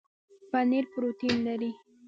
پنیر پروټین لري